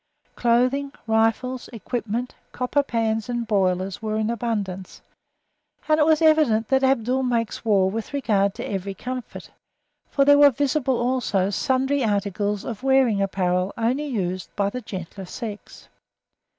Clothing, rifles, equipment, copper pans and boilers were in abundance, and it was evident that Abdul makes war with regard to every comfort, for there were visible also sundry articles of wearing apparel only used by the gentler sex.